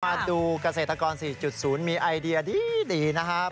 มาดูเกษตรกร๔๐มีไอเดียดีนะครับ